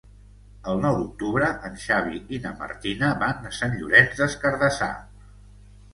El nou d'octubre en Xavi i na Martina van a Sant Llorenç des Cardassar.